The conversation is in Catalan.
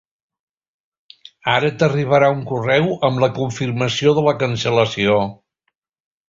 Ara t'arribarà un correu amb la confirmació de la cancel·lació.